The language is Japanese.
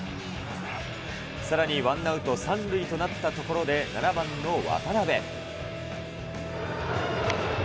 さらに、ワンアウト３塁となったところで、７番の渡邉。